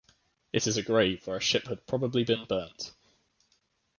It is a grave where a ship had probably been burnt.